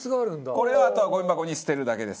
これをあとはゴミ箱に捨てるだけです。